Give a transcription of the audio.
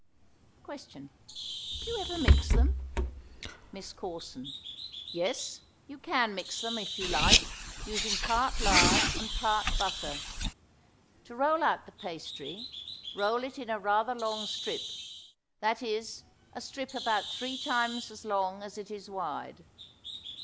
Question. Do you ever mix them? MISS CORSON. Yes, you can mix them if you like, using part lard and part butter. To roll out the pastry, roll it in a rather long strip, that is, a strip about three times as long as it is wide.